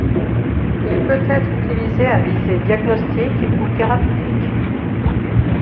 Il peut être utilisé à visée diagnostique ou thérapeutique.